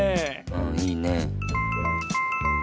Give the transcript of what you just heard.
うんいいねえ。